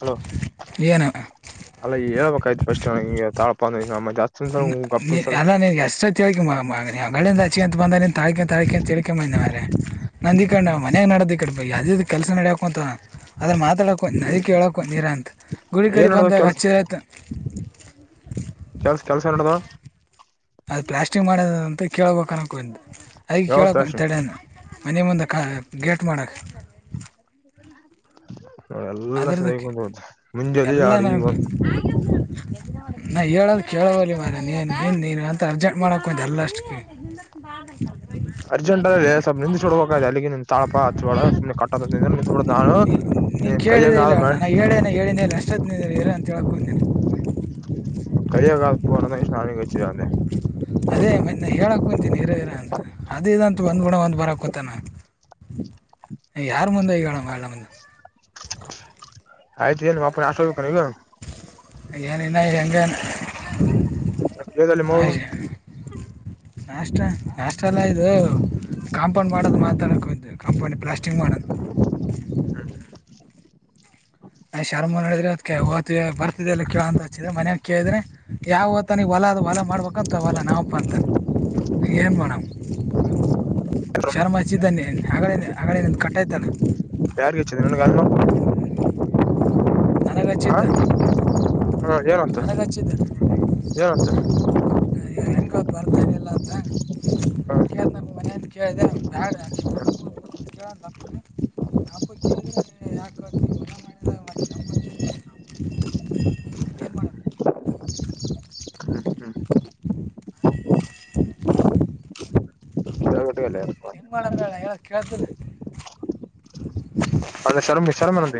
Hello ಏನು ಅಲ್ಲ ಹೇಳ್ಬೇಕಾಯ್ತು ಸ್ಟ್ ತಾಳಾ ನಮ್ಮ ಜಾಸ್ತಿ ಸಲ ಗಪ್ಪ ಸಲ ಅಲ್ಲನ್ ಎಷ್ಟ ತಿಳ್ಿಗಳಿಂದ ಅಚ್ಚಿ ಅಂತ ಬಂದ ತಳ್ಕ ಮ ನಂದಿ ಕ ಮನ್ಯಾಗ ನಡೋ್ದಿ ಕಡ ಯಾವ್ದ ಕೆಲಸ ನಡಕು ಅಂತ ಅದ್ರ ಮಾತಾಡೋಕ ನದಕ್ಕೆ ಹೇಳೋಕ ಹ ನೀರ ಅಂತ ಗುಳ ಕಡೆ ಏನ್ ನಡದ ಬಂದಾಗ ಕೆಲ್ಸ ಅಚ್ಚಿರಯತ [inaudible] ಕೆಲ್ಸ ಕೆಲ್ಸ ನಡದ ಅದು ಪ್ಲಾಸ್ಟಿಕ್ ಮಾಡ ಅಂತ ಕೇಳಳ್ಬೇಕ ಅನ್ಕು ಹಗ ಯಾವ ಚಾಸ ಕೇಳಕಂತಡೆನ ಮನೆ ಮುಂದಕ್ಕೆ ಗೇಟ್ ಮಾಡಕ್ಕೆ ದಕ ಹ ಅದ್ರದಕ್ಕೆ ಎಲ್ಲ ಆಡು ನ ಈಗ ಒಂದು ನಾ ಹೇಳೋದು ಕೇಳವಲ್ಲಿ ಮಾರ ನೀನು ನೀನು ನೀನು ಅಂತ ಅರ್ಜೆಂಟ್ ಮಾಡೋಕ್ಕೆೊಂದು ಎಲ್ಲ ಅಷ್ಟಕ್ಕೆ ಬಾರ ನ ಚಲ್ ಅರ್ಜೆಂಟ್ ಅ ಸ್ವಲ್ ನಿಂತ್ುಡ್ಬೇಕ ಅಲ್ಲಿಗೆ ನಿಂದ ತಾಳಪ್ಪ ಹಚ್ ಕಟ್ಟ ನಿಂತು ಬಿಡೋ ನಾನು ನೀ ನೀನ್ ಕೈಯಾಗ ಕೇಳಿದೆ ಇಲ್ಲ ಆದ್ ಮಾಡಿ ನಾನು ಹೇಳೇನೆ ಹೇಳನಿ ಇಲ್ಲ ಅಷ್ಟೊತ್ತ ಇಲ್ಲ ಅಂತ ಹೇಳಕೊೇಿ ಕ ಹೋಂದ ನಾಳಿಿಗೆಗೆ್ಿಿದ ಅಂದೆ ರರ ಅಂತ ಅದೇಂತ ಬಂದ್ಬುಡ ಒಂದ್ ಬರಕೊತಾನ ಹ್ಮ ಯಾರು ಮುಂದೆ ಈಗಣ ಮುಂದೆ ಆಯತು ನುಪ ಆಸಕ ಏನನ್ನ ಹೆಂಗೇನು ಹೇಗಲ್ಲಿ ಮವು ನಾಷ್ಟ ನಾಷ್ಟ ಎಲ್ಲ ಇದು ಕಾಂಪೌಂಡ್ ಮಾಡೋದು ಮಾತಾಡ ಕಾಂಪೌಂಡ್ ಪ್ಲಾಸ್ಟಿಕ್ ಮಾಡೋದು ಹ ನ್ ಶರ್ಮ ನಡಿದ್ರೆ ಅದ ಹ ಬರ್ತಲ್ಲ ಕೇಳೋ ಅಂತ ಹಚ್ಚಿದ್ರ ಮನ್ಯಾಗ ಕೇಳಿದ್ರೆ ಯಾವ ತನಿಗೆ ಹೊಲ ಅದು ಹೊಲ ಮಾಡ್ಬೇಕತಾವಲಲ್ಲ ನಾವವುಪ್ಪ ಅತ ನು ಮಾಡೇಡ ಶರ್ಮಚ್ಚಿದ್ದನ್ಯ ಹಾಗೇ ಹಾಗೇ ಕಟ್ಟಾಯಯ್ತಲ್ಲ ಯಾರಗ ನನಗೆ ಅೂಡ ಅನಗಚಿತ್ ಹ ಏನಂತ ಅಗಚಿದ ಏನಂತ ಬರ್ತಾ ಇಲ್ಲ ಅಂತ ಹಾ ಕೇಳಿದೆಯಾ ಕೇಳಪ ಕೇಳ ಯಾಕ ಮಾಡ ಮಾಡಡ ಹ್ಮ್ ಚ ಕೊಟ್ಟಲ್ಲಯ ಹೆಂಗ್ ಮಾಡಡ ಮೇಡ ಹೇಳ ಕೇಳ್ತ ಅಮಶರ್ಮಿ ಶರ್ಮ ನಂತ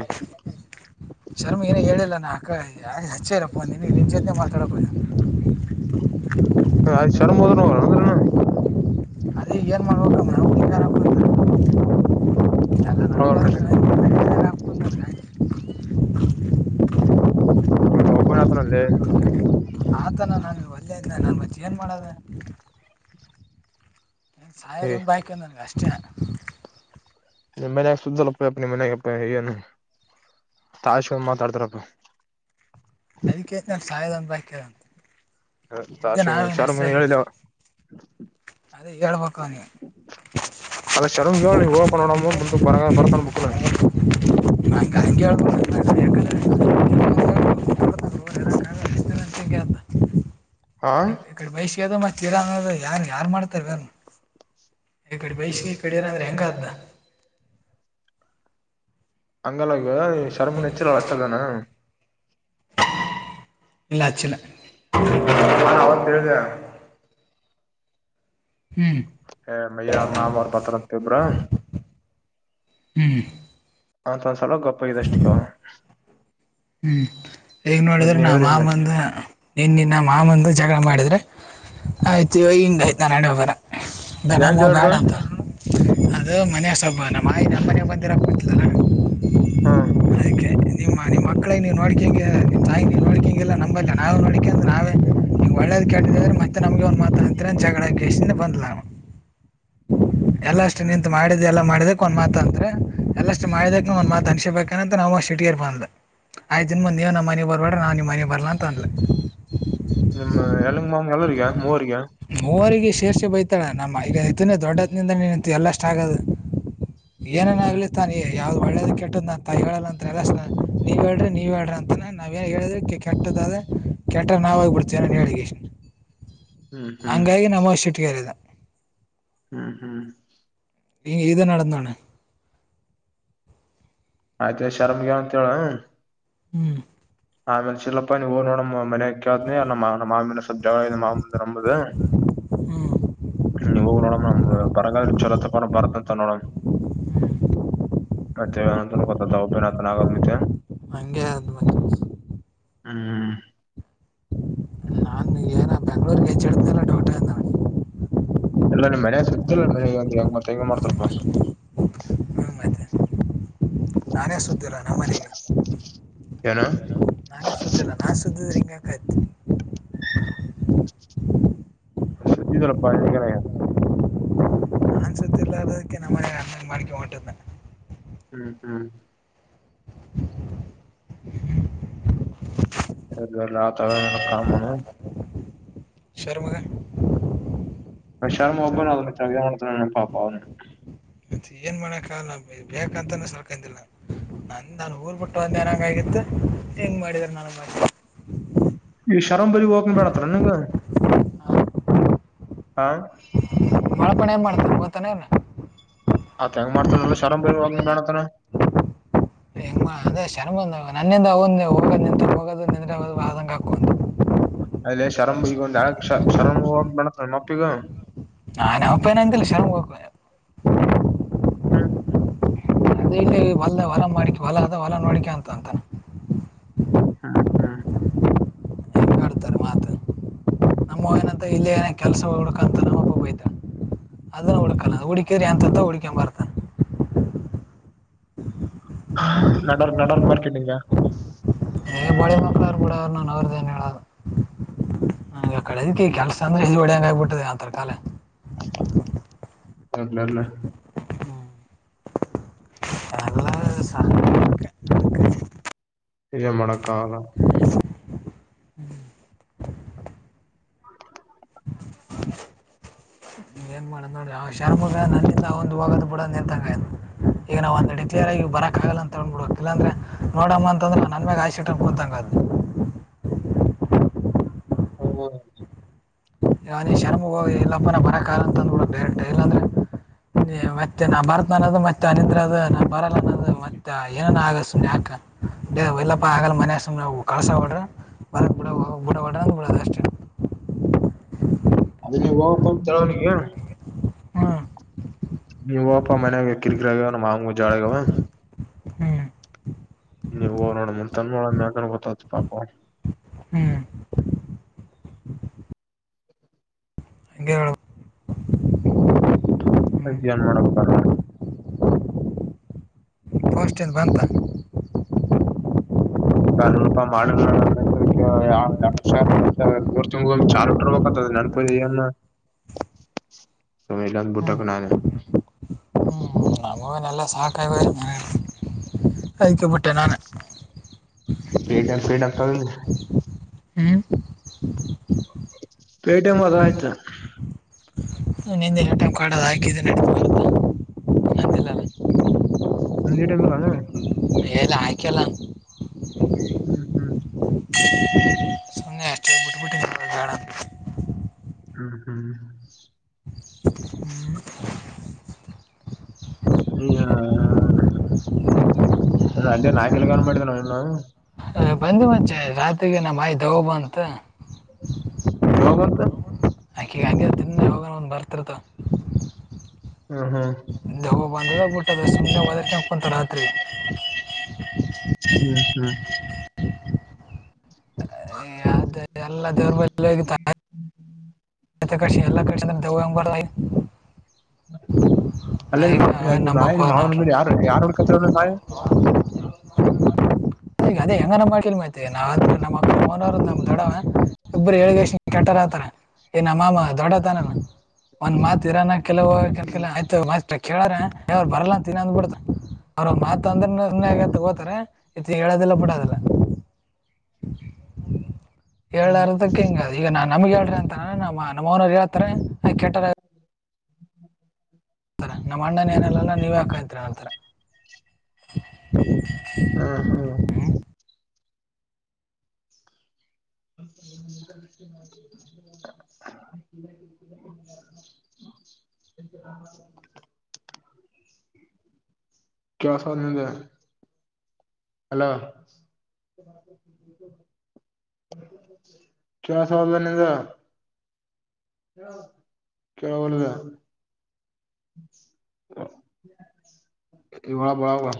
ಶರ್ಮ ಏನೇ ಹೇಳಿಲ್ಲ ನಾ ಅಕ್ಕ ಯಾರ ಹಚ್ಚೇರಪ್ಪಿನಗೆ ನಿನ್ ಜೆನೆ ಮಾತಾಡ [unintelligible] ಹ್ಯ್ ಶರ್ಮ ಹೋದ್ರೋ ಅಂದ್ರ ಅದೇ ಏನ್ ಮಾಡಬೇಕ ಇ ಅಂದ್ರನು ನೋಡ ಹೌತ ಒಬ್ಬಣತನಲ್ಲೇ ಆತನ ನಾನಗೆ ಒಳ್ಳೇ ಇದ ನನ್ನ ಮದೆ ಏನ್ ಮಾಡೋದ ನ್ ಸಾಯದೊ ಒಂದು ಬೈಕ ನನ್ಗೆ ಅಷ್ಟನ್ ಮನ ಸುದ್ದ ಮನೆಗೆನು ತಷ ಮಾತಾಡ್ತಾರಪ್ಪ ಅದಕ್ಕೆೇ ನ ಸಾಯಿ ಬಕಂತ ಹ ತಾಶ್ಮ ಶರ್ಮಿನ ಹೇಳಿದ ಅವ ಅದೇ ಹೇಳ್ಬೇಕು ನೀ ಅಲ್ಲ ಶರಮ ನೀ ಓಪನ್ಣ ಮುಂದ ಬರ ಬರತಾನ ಬುಕ್ನು ಗಕಕ ಯಾಕಂದ್ರೆ ಹಾ ಈ ಕಡೆ ಮೈಷ ಅದ ಮತ್ತ ಇಡ ಅನ್ನೋದ ಯಾರ್ ಯಾರ್ ಮಾಡ್ತಾರೆ ಯಾರು ಈ ಕಡೆ ಬೈಷ್ ಈ ಕಡೆ ಏ ಅ್ರ ಹೆಂಗ ಅ ಹಂಗಲ್ಲಂಗ ಶರ್ಮ ನೆಚ್ಚಲ್ ಅಳಚದಾನ ಇಲ್ಲ ಹಚ್ಚಿಲ್ಲ ಹಾ ನವತ್ತು ಹೇಳದೆ ಹ್ಮ್ ಹ ಮಯ್ಯ ಅವ್ರ ಮಾಮ ಅವ್ರ ಭತ್ರತ ಇಬ್ರಾ ಹ್ಮ್ ಅತ್ ಒಂದ್ಸಲ ಗೊಪ್ಪಗಿದ ಅಷ್ಟಗ ಹ್ಮ್ ಈಗ್ ಮತ್ ನೋಡಿದ್ರೆ ನಾ ನೀನಾದ್ರೆ ಹಿಂಗ ಆಮಂದ ನಿನ್ನನ್ನ ಮಾಮಂದು ಜಗಳ ಮಾಡಿದರೆೆ ಆಯ್ತು ಇವ ಹಿಂಗಾಯಯ್ತು ನಾನು ಅಡ ಬರ ಯಾಕ ದನಾಮ ಹೇಳ್ರ ಬ್ಯಾಡ ಅಂತ ಅದು ಮನೆಸೊಬ್ಬ ನಮ್ಮ ಮಾ ನಮ್ಮ ಮನೆಗೆ ಬಂದಿರೋಕ್ಕತ್ತಲಲ ಹಾ ನಿಮ್ಮ ನಿಮ್ಮ ಮಕ್ಕಳಿಗೆ ನೀವು ನೋಡ್ಕಿಂಗೆ ನಿಮ್ಮ ತಾಯಿ ನೀವು ನೋಡಕ ಹಿಗೆಲ್ಲ ನಂಬದಲ್ಲ ನಾವು ನೋಡಿಕೆ ಅಂದೆ ನಾವೇ ಒಳ್ಳೇದ್ ಕೇಟ್ಟಿದ್ರೆ ಮತ್ತೆ ನಮ್ಗೆ ಒ ಮಾತ ಅಂತ ಜಗಳಿಂದ ಬಂದ್. [inaudible] ಎಲ್ಲ ಅಷ್ಟು ಹ್ಮ್ ನಿಂತು ಹ್ಮ್ ಮಾಡಿದ್ದ ಎಲ್ಲ ಮಾಡಿದ. ಒಂದ್ತ ಅಂತ್ ಎಲ್ಲಷ್ಟ ಮಾಡಿದಕ ಒಂದ್ ಮಾತ್ ಅನ್ಸಬೇಕಂತ ನಾವ ಶಿಟ್ಟೆಗೆ ಬಂದ. ಆಯ್ತ್ ನೀವ ನಮ್ಮ ಮನವಿ ಬರ್ಬೇಡ್ರ ನಾ ನೀವ ಮನೆ ಬರ್ಲ್ಲ ಅಂತ ಅಂದ್ಲ. ಏದ್ ಮೂವರಿಗ. ಮೂವಗ ಶೇರ್ಷೆ ಬೈತಾಳ ನಮ್ಮಐತೇ ದೊಡ್ಡ ಹತ್ನಿಂದ ನೀನತ್ತು ಎಲ್ಲ ಅಷ್ಟು ಆಗದು. ಏನೇನ ಹ್ಮ್ ಆಗ್ಲಿ ತಾನ ಯಾವ್ದ್ ಒಳ್ಳೇದ ಕೆಟ್ಟದ ಅಂತ ಹೇಳ ಎಲ್ಲ. ನೀವ ಹೇಳ್ರಿ ನೀವ್ ಹೇಳ್ರಿ ಅಂತಾನ ನಾವ ಏನ್ ಹೇಳಿದ್ರಿ ಕೆಟ್ಟದದೆ. ಕೆಟ್ಟ್ರ ನಾವಾಗಿಬಿಡ್ತೇವಿ ನಾನ ಹೇಳಿಕ ಇಷ್ಟ ಹ್ಮ್ ಹ್ಮ್ ಹ್ಮ್ ಹಂಗಾಗಿ ನಮ್ಮ ಶೆಟ್ಟಗೆರಿದ. ಹ್ಮ್ ಹ್ಮ್. ಇದು ನೋಡದ್ನೋಣ. ಆಯ್ತಾ ಶರಮ್ಗೆಂತ ಹೇಳ. ಹ್ಮ್. ಆಮೇಲೆ [unintelligible] ಮನೆ ನಮ್ಮ ಮಾಮ್ಮ ಮಾಮಿನ ಸಬ್ ಜಾಗ ಮಾಮ ನಂಬುದು. ಹ್ಞೂ ಹ್ಞೂ ನೀ ಹೋಗಿ ನೋಡಮ ನಮ ಬರಗಾದ ಚಲೋ ತ ಬರತ್ತ ಅಂತ ನೋಡಮ. ಮತ್ತೆಂತ ಗೊತ್ತದಬ್ಬತ ಆಗಲ್ ಮತ್ತೆ. ಹಾಂಗೆ ಅದ್ ಹ್ಮ್. ನಾನ್ ಏನ ಬೆಂಗಳೂರ್ ಗೆ ಹೆಚ್ಚಳ್ತಲ್ಲ ದ್ದೋಟ್ ಅದ್ ಎಲ್ಲ ಮಳ ಸುದಿಲ್ಲ ಮ ಒಂದ ಹೆಂಗ್ ಮತ್ ಈಂಗ ಮಾಡ್ತಾರಪ್ಪ ಹ್ಞೂ ಮತ್ತೆ ನಾನೇ ಸುತ್ತಿಲ್ಲ ನಮ್ಮನೆಗೆ. ಏನು. ನಾನೇ ಶುದ್ದಿಲ್ ನಾನ್ ಶುದ್ದಿದುರ್ ಹಿಂಗಾಕಾಯತೀನಿ. [inaudible] ಶುದ್ದಿದ್ ರಪ್ಪ. ನಾನ್ ಶುದ್ದಿಲ್ಲಾ ಇಲ್ಲದಕ್ಕೆ ನಮ್ಮ ಅನ್ನ್ ಮಾಡಿಕೋ ಹೊಂಟ್. ಹ್ಮ್ ಹ್ಮ್ [inaudible] ಆತ ಕಾಮನು. ಶರ್ಮಗ್. [unintelligible] ಮತ್ತೆ ಏನ್ ಮಾಡಕ ನಬೇಕ ಅಂತಾನ ಸಲ್ಕಿದಿಲ್. ನಂದ ನನ್ ಊರ್ ಬಿಟ್ಟು ಅಂದ ಏನಂಗ ಆಗಿತ್ತು. ಹೆಂಗ್ ಮಾಡಿದಿದ್ದಾರೆ ನಾನು ಮಾಡ. ಈ ಶರಮ್ ಬರಿ ಹೋಗಕ ಬೇಡತ್ರತ್ರ ನಿಂಗ ಹಾ. ಣ ಏನು ಮಾಡ್ತಾರೆ ಗವತ್ತಾನೇ ಇನ್. ಆತ್ ಹೆಂಗ ಮಾಡ್ತಾನ [unintelligible] ಹೆ ಅದ ಶರ್ಮಂದ ನನ್ನಿಂದ ಅವ ಹೋಗ್ ನಿಂತ ಹೋಗೋದು ನಿರೆ ಆದಂಗ ಹಾಕ. ಅದಲ್ಲ ಶರಂಭ ಈಗ ಒ ಯ ಶರಭ ಹೋಗ ಬಡತ್ತ ಮಪ್ಪಿಗ. ನನ್ ಉಪಾಯನ ಎಂತಲ್ಲ ಶರ್ಮ್ ಹ ಹ್ಮ್. ದ ಇ ಹೊಲದ ಹೊಲ ಮಾಡಿಕ ಹೊಲ ಅದ ಹೊಲ ನೋಡಿಕ ಅಂತ ಅಂತನ್. ಹಾ ಹಾ. ಹೆಂಗ್ ಆಡ್ತಾರೆ ಮಾತು ನಮ್ಮ ಏನಂತ ಇಲ್ಲಿ ಏನ ಕೆಲಸ ಹುಕ ಅಂತ ನಮ್ಮ. ಅದನ್ನ ಹುಡ್ಕಲ್ಲ ಹುಡಕೇರಿ ಎಂತತ ಹುಡ್ಕಂಬರ್ತನ್. ನಡರ್ ನಡರ್ ಮಾರ್ಕೆಟಿಂಗ. ಬಳೆ ಮಕ್ಳ್ರು ಬಿಡ ಅವನು ಅವ್ರದ್ದೇನು ಹೇಳೋದು. ಹಗ ಕಳದಕ್ಕೆ ಕೆಲ್ಸ ಅಂದ್ರೆ ಇ ಹೊಡೆಯಂಗ ಆಗಬಿಟ್ಟದೆ ಆ ತರಕಾಲ. ಲ್ [unintelligible] ಅಲ್ಲ ಸಹ ಇಲ್ಲ ಮೊಡಕಾವ ಹ್ಮ್ [unintelligible] ಏನ್ ಮಾಡ ನೋಡಿ್ರ ಶರ್ಮಗ ನನ್ನಂದ ಒಂದು ಹೋಗದು ಕೂಡ ನಿಲ್ತಂಗ ಈಗ ನಾ ಒಂದು ಡಿ ಕಲಿಯ ಆಗಿ ಬರಕ್ಕಾಗಲ್ಲ ತಗೊಂಡ್ ಬಿಿಡಕ್ ಇಲ್ಲಾಂದ್ರೆ ನೋಡಮ್ಮ ಅಂತಂದ್ರೆ ನನ್ ಮ್ಯಾಗ ಆಯಟ್ಟ ಬತಂಗದ್ದು ಹ್ಮ ನೀ ಶರ್ಮ ಹೋಗಿ ಎಲ್ಲಪ್ಪನ ಬರಕ ಅಂತಂದಡೈರೆಂ ಇಲ್ಲಾಂದ್ರೆ ಮ ನ ಭಾರತ ಮತ್ತೆ ಅದು ನಾ ಬರಲ್ಲದು ಮತ್ತೆ ಏನ ಆಗ್ ಯಾಕ ಇಲ್ಲಪ್ಪ ಆಗಲ್ಲ ಮನ ಸ್ ನಾವು ಕಸ ವಡ್ರ ಬರ ಬಡ ಬುಡವಾಡ್ರಡ ಅಷ್ಟೇ [unintelligible] [unintelligible] ಅದ ನೀವು ಹಪ್ಪ ಅಂತಂತರ ಅವನಿಗೆ ಹ ನೀ ಹಪ ಮನ್ಯಾಗ ಎಕ್ಕಿರ್ಗ್ರಾಗ ಮಾಂಗ ಜಾಳಗವ ಹ್ಮ್ ನೀವು ಓ ನೋಡ ಮಂತನ್ ಮಾಡೋಡ ಮಗ ಗೊತ್ತತಿ ಪಾಪ ಹ್ಮ್ ಹಂಗ ಹೇಳೇಡ ಅ್ ಏನ್ ಮಾಡಕ್ ಬರ್ಲ್ಲ ಬಸ್ಟ್ಯಾಂಡ್ ಬಾಂತ ಬಾರಲ್ಲಪ್ಪಾ ಮಾಡ ನ ಎಡುಷ ಬರ್ ಮೂರ್ ತಿಂಗು ಒ ಚಾರ್ಟ್ಟರ್ ಹತ ನಪ ಸಮಲ್ಲ ಹ್ಮ್ ಬುಟ್ಟಕ್ಕೆಣಾನ ಹ್ಮ ನಮ ನಲ್ಲ ಸಹಕಾರಿವಾಗಿ ಆಯಕಬಟ್ಟೆ ನಾನು ಪೇಟಿಎಂ ಪೇಟಿಎಂ ತಗೊಂಡಿ ಹ್ಮ ಪೇಟ ಮದ ಆಯ್ತಾ ನಿಂದಿನಟ ಕಡದು ಹಾಕಿದ್ದ ನ ಅಂತ ನ ಟೈಂಬಲ್ಲಣ ಎಲ್ಲ ಆಯ್ಕಲ್ಲ ಹ್ಮ್ ಹ್ಮ್ ಸೊೆಷ್ಟ ಬುಡ್ಡ ಬಡ್ ಗಡ ಹ್ಮ್ ಹ್ಮ್ ಈ ನ ಅದೇ ನಾಯ್ಕಲ್ ಕನ್ ಮಾಡಿದ್ದೇ ಇನು ಬಂದಿ ಮಚೆ ರಾತ್ಗೆ ನಮ್ಮ್ಯಿ ದವಬ ಅಂತ ಜೋಗಂತ ಆಕೆಗ ಹೆ ತಿನ್ನ ಹೋಗೋಣ ಒಂದು ಬರ್ತಿರತ ಹ್ಮ್ ಹ್ಮ್ ದ ಹ ಬಂಧದ ಗಟ ಸ ಪಂತ ರಾತರಿ ಹ್ಮ್ ಹ್ಮ್ ಅದೇ ಎಲ್ಲ ದೇವ್ರ ಬಲ್ ಹ ಕ ಕಷಿ ಎಲ್ಲ ಕಿಸಿದ್ರ ದೆವ ಎಂಬರುಿ ಹ ಅಲ್ಲೇ ಅವೇ ನಂಬಕ್ ಮಾಯಲಿ ಹೋಗಲ್ಲ ಮಾವನ ನೋಡ್ರಿ ಮೇಲೆ ಯಾರ ಯಾರ ಉಡ್ಕತ ಮಾಯ ಹ್ಮ ಈಗ ಅದೇ ಹೆಂಗ ನಮ್ಮ ಮಾಡ್ವಿ ನಮ್ಮೋನ ನಮ ದಡವ ಇಬ್ಬರು ಹೇಳ ಕೆಾರ ಏನ್ಮ್ಮಮ ದೊಡ್ಡತನ ಒಂದ್ ಮಾತ್ ಇರಾನ ಕೆಲವ ಆಯ್ತ ಕೇಳಾರ್ರು ಬರಲ್ಲ ಅಂತನ ಅಂದ್ ಬಿಿಡ್ತ ಅವ್ರ ಮಾತ್ ಅಂದ್ರಗೋತಾರೆ ಹಡಲ್ಲ ಬಿಡಾಲ್ಲ [inaudible] ಹೇಳಾರದಕ್ ಹಿಂಗ ಈಗ ನಾನ್ ನಮಗ್ಗೆ ಹೇಳ್ರಿ ಅಂತ ನಮ್ಮ ನಮ್ಮ ಅವನರು ಹಳ್ತಾರೆ ಕೇಟ್ಟಾರ ಹತಾರೆ ನಮ್ಮ ಅಣ್ಣನ ಏನೆಲ್ಲ ನೀವೇ ಹಾಕಾಯತ್ರಿ ಹಳ್ತಾರ ಹಾ ಹಾ [inaudible] ಹ ಕೇಳೋದು ನಿಂಗೆ ಹಲೋ [unintelligible] [unintelligible] ಇವಳ ಬರಾವ